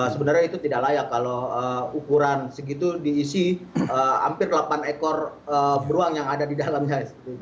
sebenarnya itu tidak layak kalau ukuran segitu diisi hampir delapan ekor beruang yang ada di dalamnya